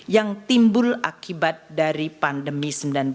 yang timbul akibat dari pandemi sembilan belas